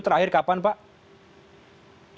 terakhir kapan pak